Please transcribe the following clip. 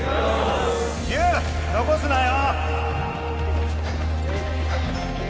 優残すなよ！